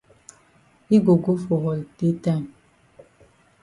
Yi go go for holiday time.